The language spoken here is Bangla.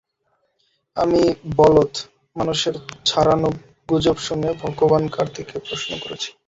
আমি বলদ, মানুষের ছাড়ানো গুজব শুনে ভগবান কার্তিকে প্রশ্ন করেছি।